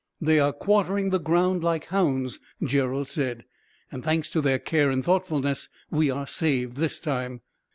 "They are quartering the ground, like hounds," Gerald said; "and, thanks to their care and thoughtfulness, we are saved, this time."